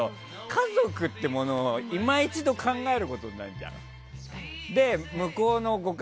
家族っていうものを今一度、考えることになるじゃん。